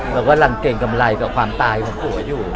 กำลังเกรงกำไรกับความตายของผัวอยู่